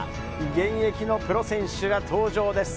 現役のプロ選手が登場です。